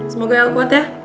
semoga el kuat ya